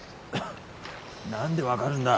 何で分かるんだ？